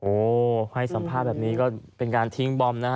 โอ้โหให้สัมภาษณ์แบบนี้ก็เป็นการทิ้งบอมนะฮะ